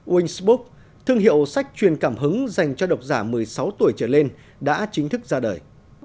wing sbook thương hiệu sách truyền cảm hứng dành cho độc giả một mươi sáu tuổi trở lên đã chính thức ra đời